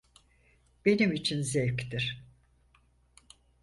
Benim için zevktir.